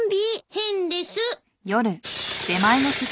変です。